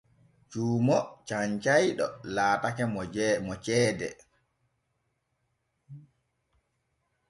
Cuumo canyayɗo laatake mo ceede.